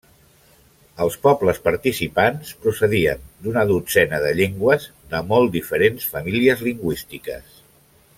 Els pobles participants procedien d'una dotzena de llengües de molt diferents famílies lingüístiques.